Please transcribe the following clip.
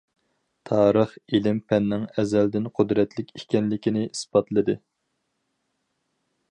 تارىخ، ئېلىم-پەننىڭ ئەزەلدىن قۇدرەتلىك ئىكەنلىكىنى ئىسپاتلىدى.